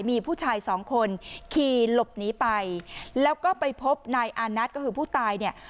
มีผู้ชายสองคนขี่หลบหนีไปแล้วก็ไปพบนายอานัทก็คือผู้ตายเนี่ย